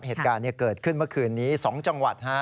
เหตุการณ์เกิดขึ้นเมื่อคืนนี้๒จังหวัด